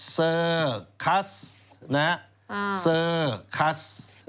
เซอร์คัส